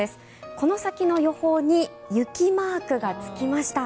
この先の予報に雪マークがつきました。